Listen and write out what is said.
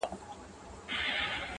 ستا د مخ له اب سره ياري کوي~